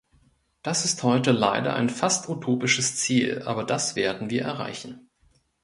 Das ist heute leider ein fast utopisches Ziel, aber das werden wir erreichen.